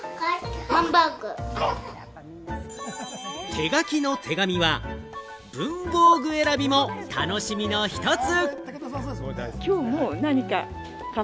手書きの手紙は文房具選びも楽しみの一つ。